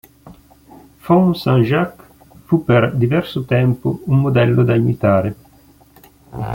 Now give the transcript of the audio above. Fonds-Saint-Jacques fu per diverso tempo un modello la imitare.